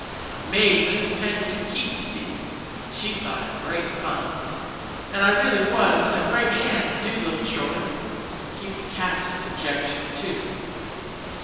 I made Mrs. Pennington keep the secret she thought it great fun; and I really was a great hand to do little chores and keep the cats in subjection too.